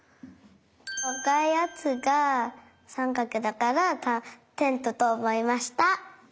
あかいやつがさんかくだからテントとおもいました。